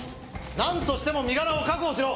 何としても身柄を確保しろ！